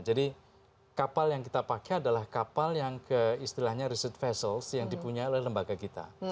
jadi kapal yang kita pakai adalah kapal yang keistilahnya research vessel yang dipunyai oleh lembaga kita